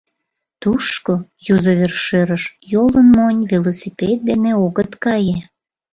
Тушко, юзо вершӧрыш, йолын монь, велосипед дене огыт кае.